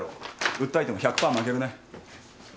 訴えても１００パー負けるね。